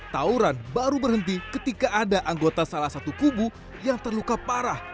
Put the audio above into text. tauran baru berhenti ketika ada anggota salah satu kubu yang terluka parah